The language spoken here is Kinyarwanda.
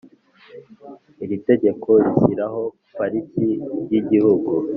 Iri tegeko rishyiraho pariki y igihugu